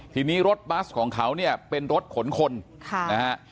ทีนี้รถบัสของเขาเนี่ยเป็นรถขนคนค่ะนะฮะ